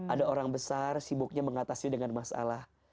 ada orang besar sibuknya mengatasi dengan masalah